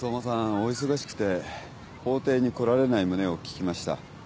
お忙しくて法廷に来られない旨を聞きました。